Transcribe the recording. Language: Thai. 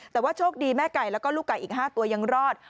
แต่ว่าโชคดีแม่ไก่แล้วก็ลูกไก่อีก๕ตัวยังรอด